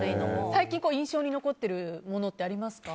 最近印象に残ってるものってありますか？